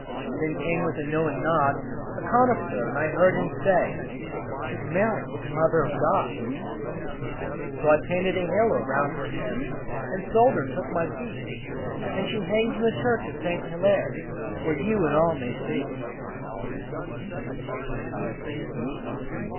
Then came, with a knowing nod, A connoisseur, and I heard him say; "'Tis Mary, the Mother of God." So I painted a halo round her hair, And I sold her and took my fee, And she hangs in the church of Saint Hillaire, Where you and all may see.